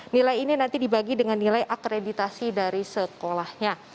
nilai ini nanti dibagi dengan nilai akreditasi dari sekolahnya